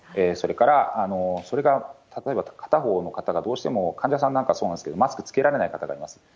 それから、それが例えば片方の方が、どうしても患者さんなんかそうなんですけど、マスク着けられない方がいます。